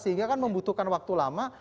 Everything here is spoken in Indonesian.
sehingga kan membutuhkan waktu lama